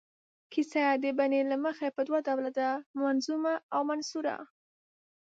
کیسه د بڼې له مخې په دوه ډوله ده، منظومه او منثوره.